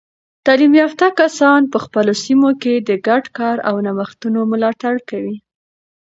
تعلیم یافته کسان په خپلو سیمو کې د ګډ کار او نوښتونو ملاتړ کوي.